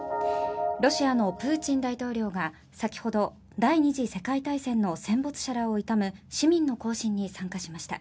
ロシアのプーチン大統領が先ほど、第２次世界大戦の戦没者らを悼む市民の行進に参加しました。